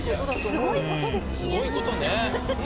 すごいことね。